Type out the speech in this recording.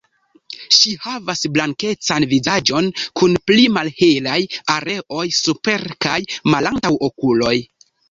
Ŝi havas blankecan vizaĝon kun pli malhelaj areoj super kaj malantaŭ okuloj.